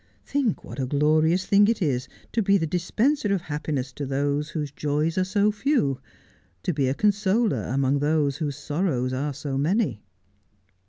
Think what a glorious thing it is to be the dispenser of happiness to those whose joys are so few, tobe a consoler among those whose sorrows are so many.'